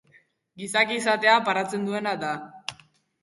Gizaki izatea paratzen duena da.